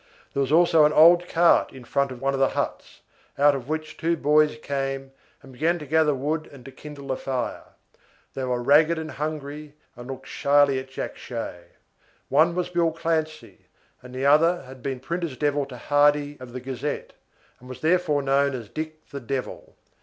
There was also an old cart in front of one of the huts, out of which two boys came and began to gather wood and to kindle a fire. They were ragged and hungry, and looked shyly at Jack Shay. One was Bill Clancy, and the other had been printer's devil to Hardy, of the 'Gazette', and was therefore known as Dick the Devil.